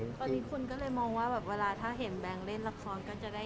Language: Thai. ตอนนี้คนก็เลยมองว่าแบบเวลาถ้าเห็นแบงค์เล่นละครก็จะได้